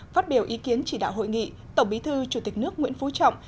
phát biểu ý kiến chỉ đạo hội nghị tổng bí thư chủ tịch nước nguyễn phú trọng